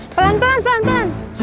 pelan pelan pelan pelan